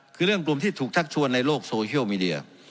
คือเรื่องกลุ่มที่ถูกทักชวนในโลกโซเชียลมีเดีย